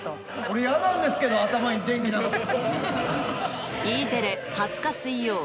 俺、嫌なんですけど頭に電気流すの。